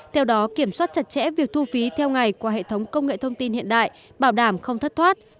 theo đó kiểm soát chặt chẽ việc thu phí theo ngày qua hệ thống công nghệ thông tin hiện đại bảo đảm không thất thoát